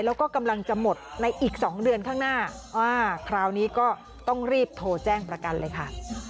แล้วก็กำลังจะหมดในอีก๒เดือนข้างหน้าคราวนี้ก็ต้องรีบโทรแจ้งประกันเลยค่ะ